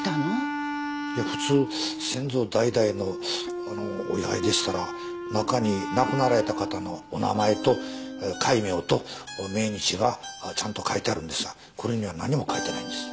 いや普通先祖代々のあのお位牌でしたら中に亡くなられた方のお名前と戒名と命日がちゃんと書いてあるんですがこれには何も書いてないんです。